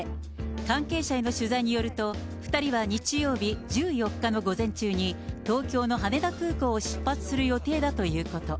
関係者への取材によると、２人は日曜日、１４日の午前中に、東京の羽田空港を出発する予定だということ。